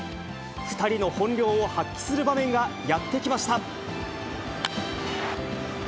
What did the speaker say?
２人の本領を発揮する場面がやって来ました。